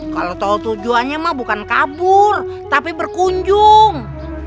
kalo tau tujuannya mah bukan kabur tapi berkunjung